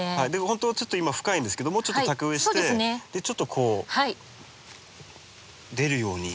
ほんとはちょっと今深いんですけどもうちょっと高植えしてでちょっとこう出るように。